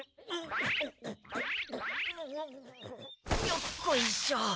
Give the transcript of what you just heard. よっこいしょ。